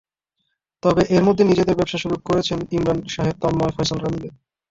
তবে এরই মধ্যে নিজেদের ব্যবসা শুরু করেছেন ইমরান, সাহেদ, তন্ময়, ফয়সালরা মিলে।